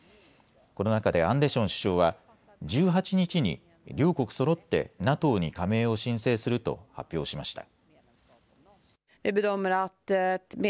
この中でアンデション首相は１８日に両国そろってＮＡＴＯに加盟を申請すると発表しました。